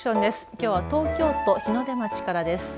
きょうは東京都日の出町からです。